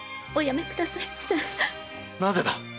なぜだ？